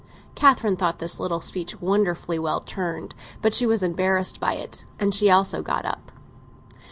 Catherine thought this little speech wonderfully well turned; but she was embarrassed by it, and she also got up.